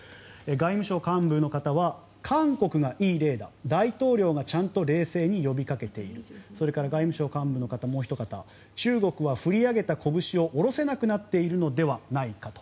外務省幹部の方は韓国がいい例だ、大統領がちゃんと冷静に呼びかけているそれから外務省幹部の方もうおひと方中国は振り上げたこぶしを下ろせなくなっているのではないかと。